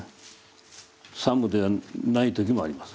作務ではない時もあります。